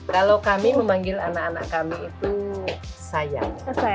kalau kami memanggil anak anak kami itu sayang